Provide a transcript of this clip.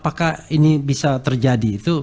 apakah ini bisa terjadi itu